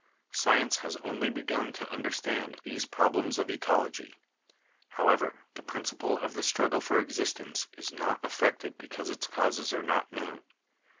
Science has only begun to understand these problems of ecology. However, the principle of the strug gle for existence is not affected because its causes are not known.